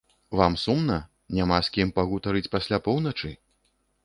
Вам сумна, няма з кім пагутарыць пасля поўначы?